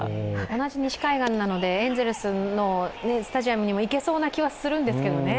同じ西海岸なので、エンゼルスのスタジアムにも行けそうな気はするんですけどね。